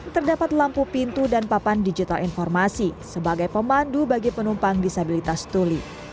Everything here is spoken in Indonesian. terdapat lampu pintu dan papan digital informasi sebagai pemandu bagi penumpang disabilitas tuli